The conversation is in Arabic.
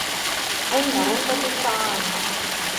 أين غرفة الطعام؟